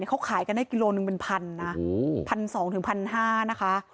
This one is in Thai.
เขาขายกันได้กิโลนึงเป็นพันนะพันสองถึงพันห้านะคะ